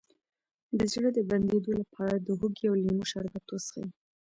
د زړه د بندیدو لپاره د هوږې او لیمو شربت وڅښئ